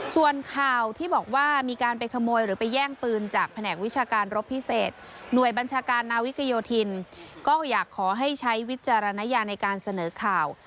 ส่วนข่าวที่บอกว่ามีการไปขโมยหรือไปแย่งปืนจากแผนกวิชาการรบพิเศษหน่วยบัญชาการนาวิกยโยธินก็อยากขอให้ใช้วิจารณญาในการเสนอข่าว